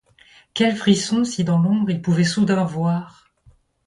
Quel frisson si dans l’ombre il pouvait soudain voir